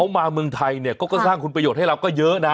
มาเมืองไทยเนี่ยก็สร้างคุณประโยชน์ให้เราก็เยอะนะ